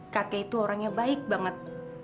kakek itu orang yang baik banget